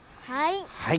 はい！